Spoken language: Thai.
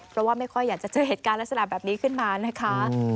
เพราะว่าไม่ค่อยอยากจะเจอเหตุการณ์ลักษณะแบบนี้ขึ้นมานะคะ